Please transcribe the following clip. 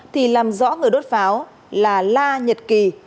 thì làm rõ người đốt pháo là la nhật kỳ